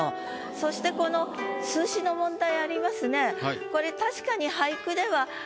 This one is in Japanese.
そしてこの数詞の問題ありますね。